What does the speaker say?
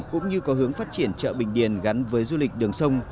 cũng như có hướng phát triển chợ bình điền gắn với du lịch đường sông